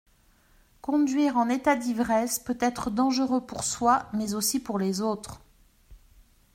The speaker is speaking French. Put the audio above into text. Conduire en état d’ivresse peut être dangereux pour soi mais aussi pour les autres.